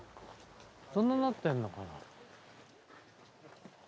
こんななってんのかな？